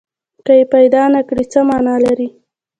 که یې پیدا نه کړي، څه معنی لري؟